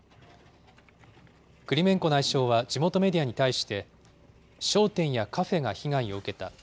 クリメンコ内相は地元メディアに対して、商店やカフェが被害を受けた。